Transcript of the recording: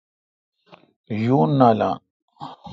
یون نالان۔